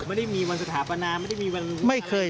ไม่ได้มีวันสถาปนาไม่ได้มีวันไม่เคย